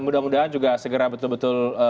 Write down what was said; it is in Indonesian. mudah mudahan juga segera betul betul